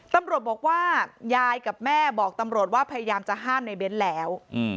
ตำรวจบอกว่ายายกับแม่บอกตำรวจว่าพยายามจะห้ามในเบ้นแล้ว